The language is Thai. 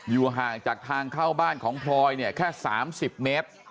ห่างจากทางเข้าบ้านของพลอยเนี่ยแค่๓๐เมตร